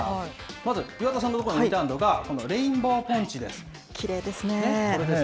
まず岩田さんの所に置いてあるのが、レインボーポンチです。